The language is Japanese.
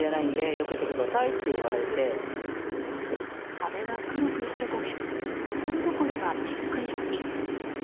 壁は黒く焼け焦げところどころがピンク色に。